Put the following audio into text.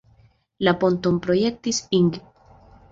La ponton projektis Ing.